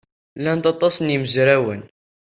Lan aṭas n yimezrawen.